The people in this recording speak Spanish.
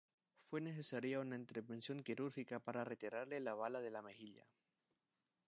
Fue necesaria una intervención quirúrgica para retirarle la bala de la mejilla.